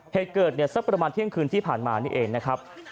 เหตุเกิดเนี่ยสักประมาณเที่ยงคืนที่ผ่านมานี่เองนะครับ